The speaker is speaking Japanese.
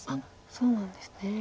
そうなんですね。